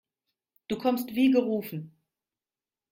Du kommst wie gerufen.